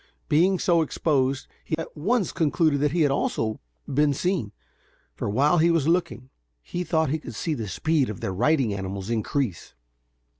Being so exposed, he at once concluded that he also had been seen, for while he was looking, he thought he could see the speed of their riding animals increase.